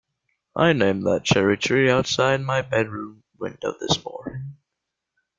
I named that cherry-tree outside my bedroom window this morning.